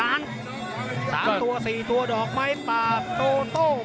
มันมีรายการมวยนัดใหญ่อยู่นัดอยู่นัด